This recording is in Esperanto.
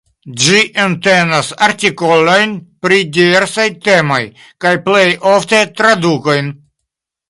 Ĝi entenas artikolojn pri diversaj temoj, kaj plej ofte tradukojn.